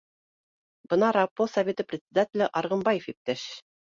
Бына РАПО советы председателе Арғынбаев иптәш